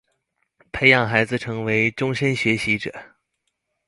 培養孩子成為終身學習者